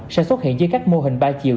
sẽ xuất hiện dưới các mô hình ba chiều